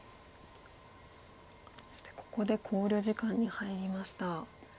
そしてここで考慮時間に入りました。